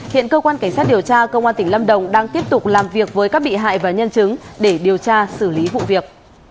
hiện cơ quan cảnh sát điều tra công an tỉnh lâm đồng đang tiếp tục làm việc với các bị hại và nhân chứng để điều tra xử lý vụ việc